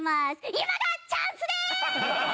今がチャンスでーす！